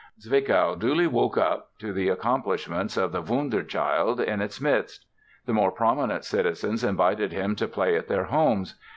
Zwickau duly woke up to the accomplishments of the wonderchild in its midst. The more prominent citizens invited him to play at their homes.